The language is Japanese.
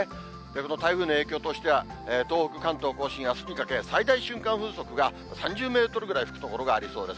この台風の影響としては、東北、関東甲信、あすにかけ、最大瞬間風速が３０メートルぐらい吹く所がありそうです。